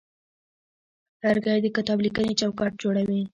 لرګی د کتابلیکنې چوکاټ جوړوي.